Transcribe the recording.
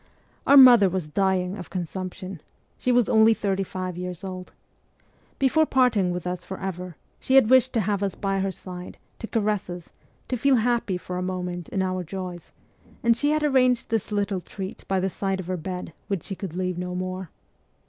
Our mother was dying of consumption; she was only thirty five years old. Before parting with us for ever, she had wished to have us by her side, to caress us, to feel happy for a moment in our joys, and she had arranged this little treat by the side of her bed which she could leave no more.